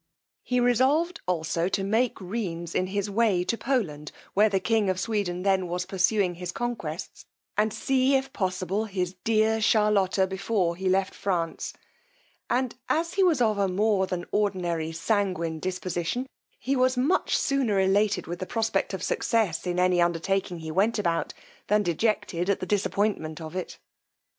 He resolved also to make Rheines in his way to Poland, where the king of Sweden then was pursuing his conquests, and see, if possible, his dear Charlotta, before he left France; and as he was of a more than ordinary sanguine disposition, he was much sooner elated with the prospect of success in any undertaking he went about, than dejected at the disappointment of it.